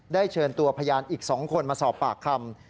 เชิญตัวพยานอีก๒คนมาสอบปากคำ